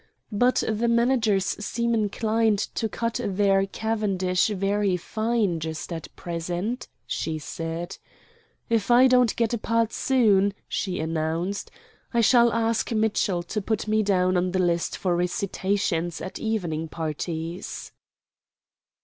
"But the managers seem inclined to cut their cavendish very fine just at present," she said. "If I don't get a part soon," she announced, "I shall ask Mitchell to put me down on the list for recitations at evening parties."